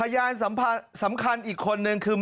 ยังคิดถึงน้อง